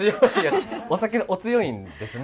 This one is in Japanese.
お酒お強いんですね。